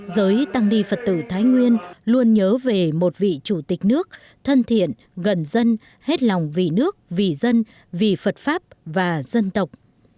giới tăng ni phật tử thái nguyên luôn nhớ về một vị chủ tịch nước thân thiện gần dân hết lòng vì nước vì dân vì phật pháp và dân tộc